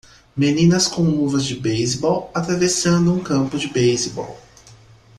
meninas com luvas de beisebol atravessando um campo de beisebol